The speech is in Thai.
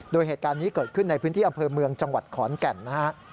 โดยเหตุการณ์นี้เกิดขึ้นในพื้นที่อำเภอเมืองจังหวัดขอนแก่นนะฮะ